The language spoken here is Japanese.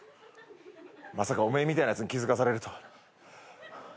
まさかお前みたいなやつに気付かされるとは。